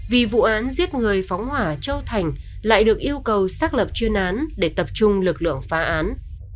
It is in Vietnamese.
vì vụ án giết người phóng hỏa châu thành lại được yêu cầu xác lập chuyên án để tập trung lực lượng phá án